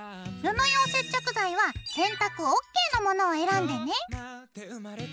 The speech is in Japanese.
布用接着剤は洗濯ＯＫの物を選んでね。